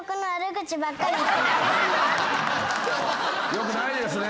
よくないですね。